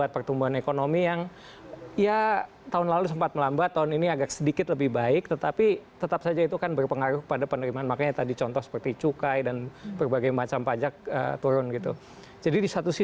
pemerintahan joko widodo